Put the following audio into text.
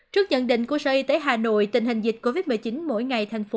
trước nhận định của sở y tế hà nội tình hình dịch covid một mươi chín mỗi ngày thành phố